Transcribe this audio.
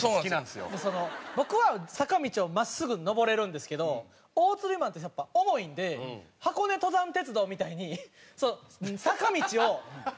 僕は坂道を真っすぐ上れるんですけど大鶴肥満ってやっぱ重いんで箱根登山鉄道みたいに坂道を右にまずこいでいって。